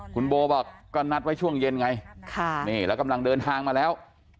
คุณโบบอกก็นัดไว้ช่วงเย็นไงนี่แล้วกำลังเดินทางมาแล้ว